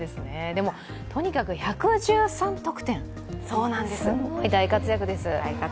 でも、とにかく１１３得点、すごい大活躍です。